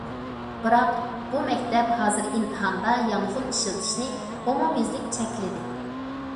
بىراق، بۇ مەكتەپ ھازىر ئىمتىھاندا يانفون ئىشلىتىشنى ئومۇميۈزلۈك چەكلىدى.